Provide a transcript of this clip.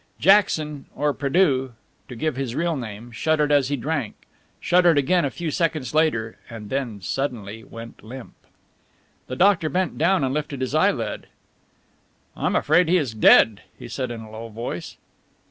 Jackson or Prédeaux, to give him his real name, shuddered as he drank, shuddered again a few seconds later and then went suddenly limp. The doctor bent down and lifted his eyelid. "I am afraid he is dead," he said in a low voice.